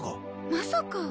まさか。